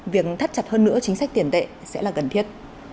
việc thắt chặt hơn nữa chính sách tiền tệ sẽ là cần thiết